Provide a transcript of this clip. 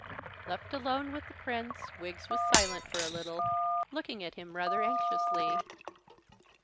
Left alone with the Prince, Wiggs was silent for a little, looking at him rather anxiously.